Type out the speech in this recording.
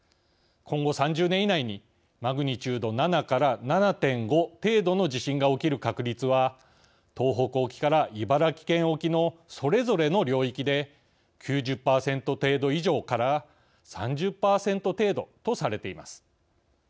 今後３０年以内にマグニチュード７から７．５程度の地震が起きる確率は東北沖から茨城県沖のそれぞれの領域で９０％程度以上から３０％程度とされています。